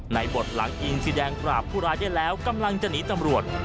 บทหลังอิงสีแดงกราบผู้ร้ายได้แล้วกำลังจะหนีตำรวจ